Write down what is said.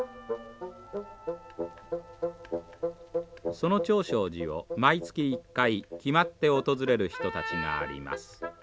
その長勝寺を毎月１回決まって訪れる人たちがあります。